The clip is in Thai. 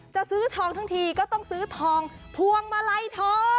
จะซื้อทองทั้งทีก็ต้องซื้อทองพวงมาลัยทอง